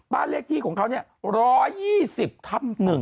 บ้านเลขที่ของเขานี้๑๒๐ับหนึ่ง